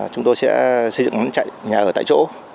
chúng tôi sẽ xây dựng nắn chạy nhà ở tại chỗ